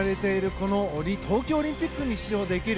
この東京オリンピックに出場できる。